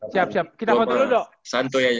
siap siap kita kontrol dulu do